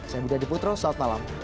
saya budi adiputro selamat malam